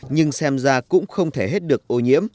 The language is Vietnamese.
nhưng xem ra cũng không thể hết được ô nhiễm